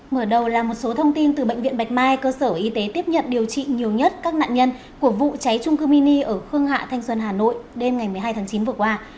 mở đầu là một số thông tin từ bệnh viện bạch mai cơ sở y tế tiếp nhận điều trị nhiều nhất các nạn nhân của vụ cháy trung cư mini ở khương hạ thanh xuân hà nội đêm ngày một mươi hai tháng chín vừa qua